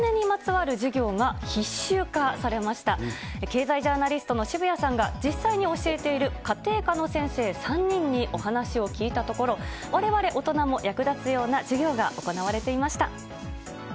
経済ジャーナリストの渋谷さんが、実際に教えている家庭科の先生３人にお話を聞いたところ、われわれ大人も役立つような授業が行われていました。